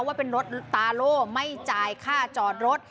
ว่าเป็นรถตาโล่ไม่จ่ายค่าจอดรถ